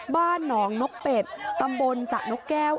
บ้านหนองนกเป็ดตำบลสระนกแก้ว